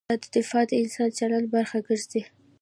دا دفاع د انسان د چلند برخه ګرځي.